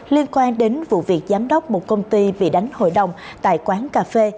liên quan đến vụ việc giám đốc một công ty bị đánh hội đồng tại quán cà phê